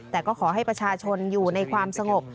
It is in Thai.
แต่ก็ขอให้ประชาชนอยู่ในความสงบ